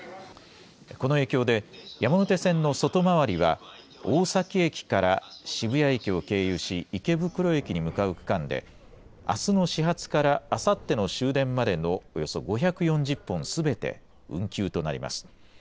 この影響で、山手線の外回りは、大崎駅から渋谷駅を経由し、池袋駅に向かう区間で、あすの始発からあさっての終電までのおよそ５４０本すべて運休となります。